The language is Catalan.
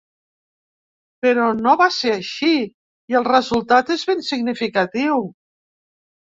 Però no va ser així, i el resultat és ben significatiu.